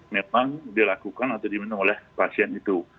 memang dilakukan atau diminum oleh pasien itu